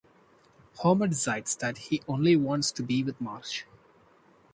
Homer decides that he only wants to be with Marge.